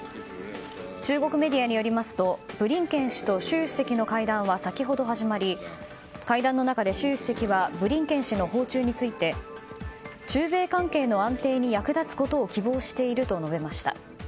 中国メディアによりますとブリンケン氏と習主席の会談は先ほど始まり会談の中で習主席はブリンケン氏の訪中について中米関係の安定に役立つことを希望していると述べました。